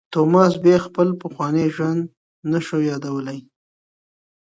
توماس بیا خپل پخوانی ژوند نه شو یادولای.